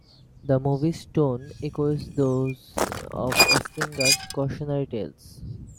The movie's tone echoes those of Anslinger's cautionary tales.